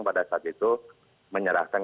pada saat itu menyerahkan